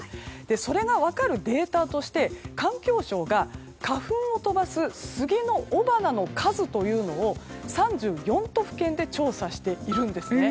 それが分かるデータとして環境省が花粉を飛ばすスギの雄花の数というのを３４都府県で調査しているんですね。